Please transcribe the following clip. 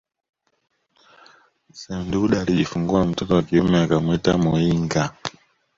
Semduda alijifungua mtoto wa kiume akamuita Muyinga